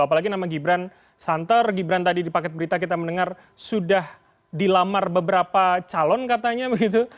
apalagi nama gibran santer gibran tadi di paket berita kita mendengar sudah dilamar beberapa calon katanya begitu